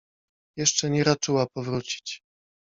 — Jeszcze nie raczyła powrócić!